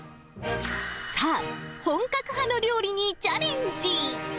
さあ、本格派の料理にチャレンジ。